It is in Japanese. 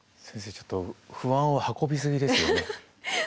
ちょっと不安を運び過ぎですよね。